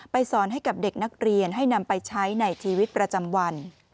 สอนให้กับเด็กนักเรียนให้นำไปใช้ในชีวิตประจำวัน